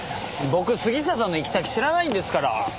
僕杉下さんの行き先知らないんですから。